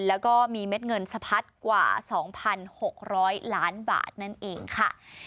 แล้วก็มีเม็ดเงินสะพัดกว่า๒๖๐๐ล้านบาทนั่นเองค่ะ